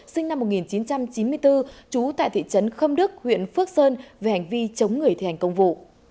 sinh năm một nghìn chín trăm chín mươi bốn trú tại thị trấn khâm đức huyện phước sơn về hành vi chống người thi hành công vụ